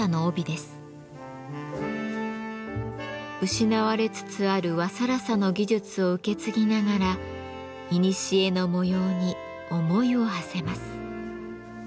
失われつつある和更紗の技術を受け継ぎながらいにしえの模様に思いをはせます。